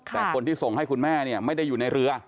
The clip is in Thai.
แต่คนที่ส่งให้คุณแม่เนี่ยไม่ได้อยู่ในเรือ